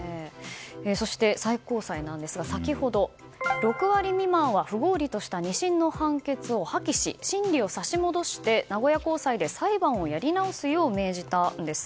そして、最高裁なんですが先ほど、６割未満は不合理とした２審の判決を破棄し審理を差し戻して名古屋高裁で裁判をやり直すよう命じたんです。